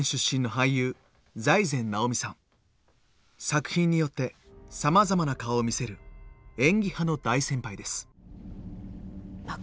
作品によってさまざまな顔を見せる演技派の大先輩です。